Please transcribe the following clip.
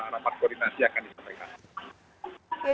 rapat koordinasi akan disemprotin